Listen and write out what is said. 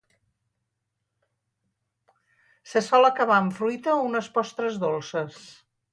Se sol acabar amb fruita o unes postres dolces.